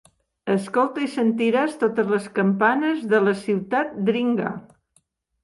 Escolta i sentiràs totes les campanes de la ciutat dringar.